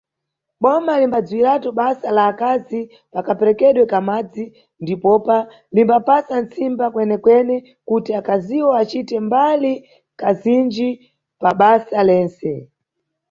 Boma limbadziwiratu basa lá akazi pa kaperekedwe ka madzi ndipopa limbapasa ntsimba kwenekwene kuti akaziwo acite mbali kazinji pabasa lentse.